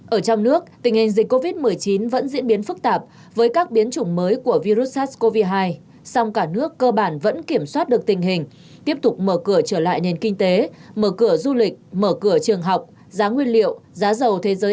ở trong nước tình hình dịch covid một mươi chín vẫn diễn biến phức tạp với các biến chủng mới của virus sars cov hai song cả nước cơ bản vẫn kiểm soát được tình hình tiếp tục mở cửa trở lại nền kinh tế mở cửa du lịch mở cửa trường học giá nguyên liệu giá dầu thế giới